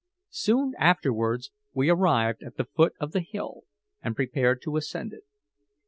Soon afterwards we arrived at the foot of the hill, and prepared to ascend it.